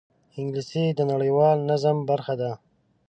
انګلیسي د نړیوال نظم برخه ده